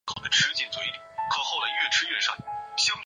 日航酒店的目标是最高水准的酒店服务。